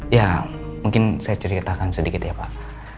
ya mungkin saya ceritakan sedikit ya pak